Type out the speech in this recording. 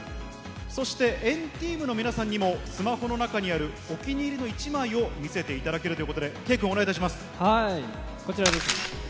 そして、＆ＴＥＡＭの皆さんにも、スマホの中にあるお気に入りの１枚を見せていただけるということで、こちらです。